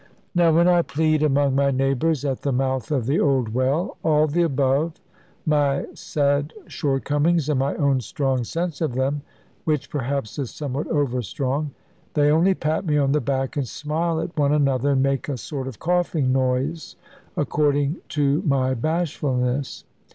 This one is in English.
Now, when I plead among my neighbours, at the mouth of the old well, all the above, my sad shortcomings, and my own strong sense of them (which perhaps is somewhat over strong), they only pat me on the back, and smile at one another, and make a sort of coughing noise, according to my bashfulness.